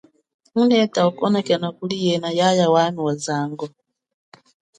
Nguneta ukonekeno kuli yena yaya wami wazango.